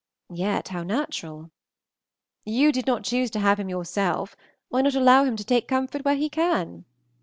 (Yet how natural!) You did not choose to have him yourself, why not allow him to take comfort where he can?